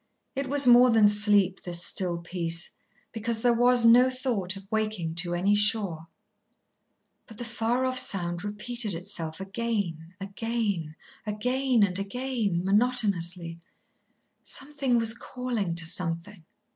It was more than sleep, this still peace, because there was no thought of waking to any shore. But the far off sound repeated itself again, again, again and again, monotonously. Something was calling to Something.